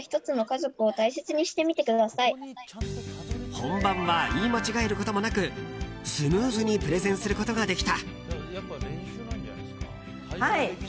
本番は言い間違えることもなくスムーズにプレゼンすることができた。